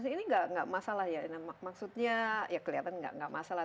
ini enggak masalah ya maksudnya ya kelihatan enggak masalah